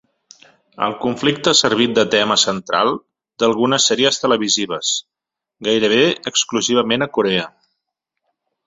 El conflicte ha servit de tema central d'algunes sèries televisives, gairebé exclusivament a Corea.